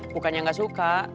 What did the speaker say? bukannya nggak suka